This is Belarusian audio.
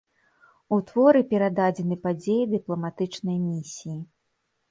У творы перададзены падзеі дыпламатычнай місіі.